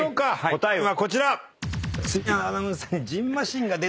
答えこちら！